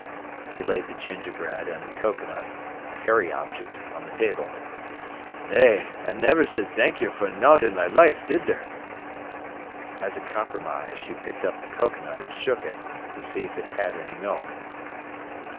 He laid the gingerbread and the cocoanut, a hairy object, on the table. "Nay, tha niver said thankyer for nowt i' thy life, did ter?" As a compromise, she picked up the cocoanut and shook it, to see if it had any milk.